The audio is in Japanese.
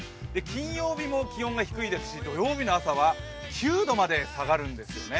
金曜日も気温が低いですし土曜日の朝は９度まで下がるんですよね。